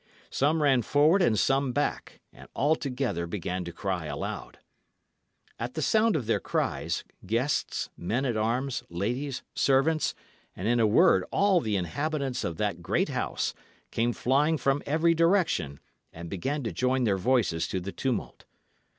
Some ran forward and some back, and all together began to cry aloud. At the sound of their cries, guests, men at arms, ladies, servants, and, in a word, all the inhabitants of that great house, came flying from every direction, and began to join their voices to the tumult.